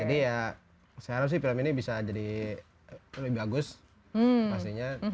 jadi ya saya harap sih film ini bisa jadi lebih bagus pastinya